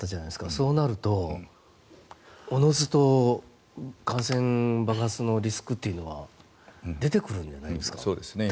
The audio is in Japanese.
そうなるとおのずと感染爆発のリスクというのは出てくるんじゃないですか？